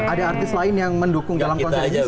ada artis lain yang mendukung dalam konser ini